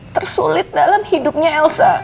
tersulit dalam hidupnya elsa